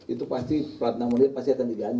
itu pasti plat enam menit pasti akan disediakan